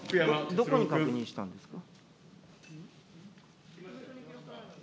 どこに確認したんですか。